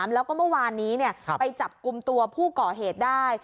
แล้วก็เมื่อวานนี้ไปจับกลุ่มตัวผู้ก่อเหตุได้